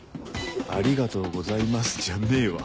「ありがとうございます」じゃねえわ